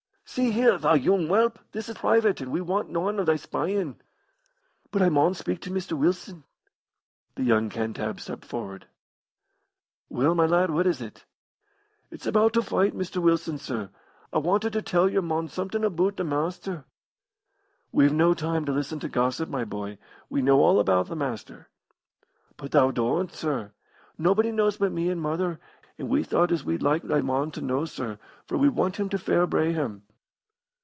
"See here, thou yoong whelp, this is private, and we want noan o' thy spyin'!" "But I maun speak to Mr. Wilson." The young Cantab stepped forward. "Well, my lad, what is it?" "It's aboot t' fight, Mr. Wilson, sir. I wanted to tell your mon somethin' aboot t' Maister." "We've no time to listen to gossip, my boy. We know all about the Master." "But thou doan't, sir. Nobody knows but me and mother, and we thought as we'd like thy mon to know, sir, for we want him to fair bray him."